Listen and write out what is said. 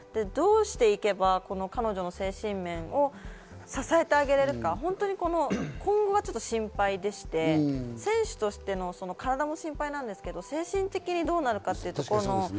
どうしていけば彼女の精神面を支えてあげられるか、今後がちょっと心配でして、選手としての体も心配なんですけれども、精神的にどうなるのか。